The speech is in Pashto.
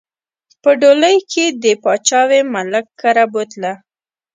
په ډولۍ کښې د پاپاوي ملک کره بوتله